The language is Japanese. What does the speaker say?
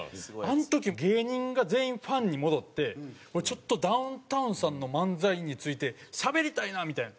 あの時芸人が全員ファンに戻ってちょっとダウンタウンさんの漫才についてしゃべりたいなみたいな。